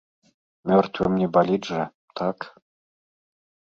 Мёртвым не баліць жа, так?